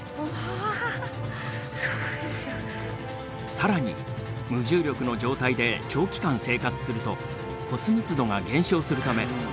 更に無重力の状態で長期間生活すると骨密度が減少するため運動は不可欠。